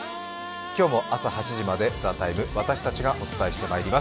今日も朝８時まで「ＴＨＥＴＩＭＥ，」私たちがお伝えしてまいります。